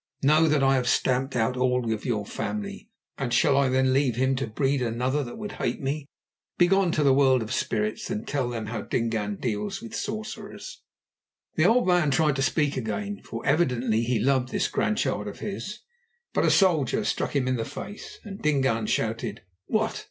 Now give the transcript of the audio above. Know that I have stamped out all your family, and shall I then leave him to breed another that would hate me? Begone to the World of Spirits, and tell them how Dingaan deals with sorcerers." The old man tried to speak again, for evidently he loved this grandchild of his, but a soldier struck him in the face, and Dingaan shouted: "What!